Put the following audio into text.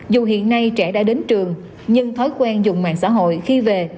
dù hiện nay trẻ đã đến trường nhưng thói quen dùng mạng xã hội khi về